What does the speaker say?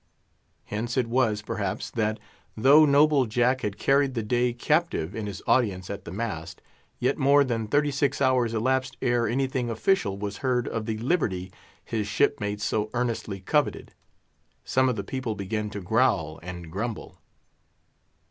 Hence it was, perhaps, that, though noble Jack had carried the day captive in his audience at the mast, yet more than thirty six hours elapsed ere anything official was heard of the "liberty" his shipmates so earnestly coveted. Some of the people began to growl and grumble.